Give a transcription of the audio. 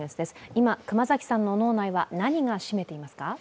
今、熊崎さんの脳内は何が占めてますか？